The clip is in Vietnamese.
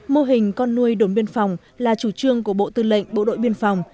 mô hình con nuôi đồn biên phòng là chủ trương của bộ tư lệnh bộ đội biên phòng